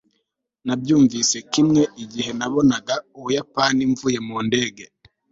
nabyumvise kimwe igihe nabonaga ubuyapani mvuye mu ndege